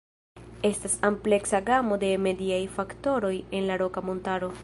Estas ampleksa gamo de mediaj faktoroj en la Roka Montaro.